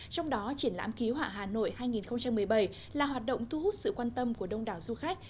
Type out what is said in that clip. trong đó triển lãm ký họa hà nội hai nghìn một mươi bảy là hoạt động thu hút sự quan tâm của đông đảo du khách